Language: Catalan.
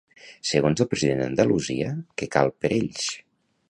Segons el president d'Andalusia, què cal per ells?